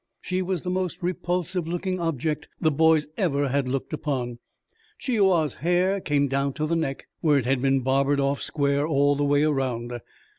She was the most repulsive looking object the boys ever had looked upon. Chi i wa's hair came down to the neck, where it had been barbered off square all the way around.